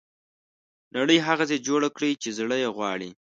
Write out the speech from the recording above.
نړۍ هغسې جوړه کړي چې زړه یې غواړي.